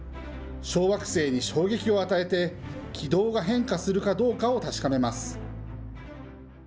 小惑星に衝撃を与えて、軌道が変化するかどうかを確かめます。